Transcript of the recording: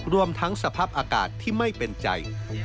รวมทั้งสภาพอากาศที่ไม่เป็นใจ